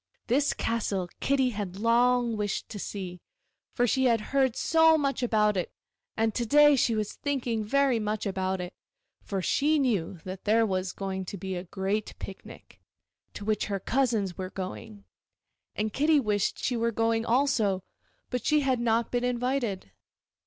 This castle Kitty had long wished to see, for she had heard so much about it; and to day she was thinking very much about it, for she knew that there was going to be a great picnic, to which her cousins were going, and Kitty wished she were going also, but she had not been invited.